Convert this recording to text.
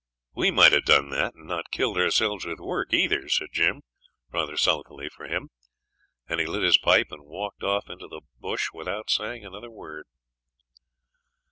'We might have done that, and not killed ourselves with work either,' said Jim, rather sulkily for him; and he lit his pipe and walked off into the bush without saying another word.